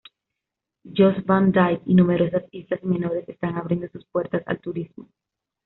Jost Van Dyke y numerosas islas menores están abriendo sus puertas al turismo.